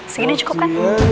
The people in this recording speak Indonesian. segini cukup kan